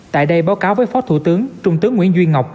tại đây báo cáo với phó thủ tướng trung tướng nguyễn duy ngọc